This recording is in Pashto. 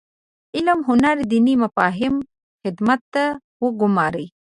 علم هنر دیني مفاهیم خدمت ته وګوماري.